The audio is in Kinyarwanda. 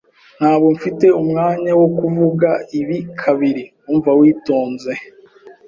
Ntabwo mfite umwanya wo kuvuga ibi kabiri, umva witonze.